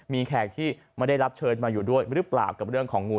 มีแขกที่ไม่ได้รับเชิญมาอยู่ด้วยหรือเปล่ากับเรื่องของงู